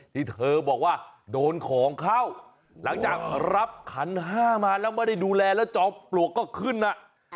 ที่เธอบอกว่าโดนของเข้าหลังจากรับขันห้ามาแล้วไม่ได้ดูแลแล้วจอมปลวกก็ขึ้นอ่ะ